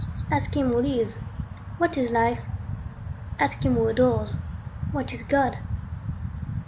Ask him who lives, what is life? ask him who adores, what is God?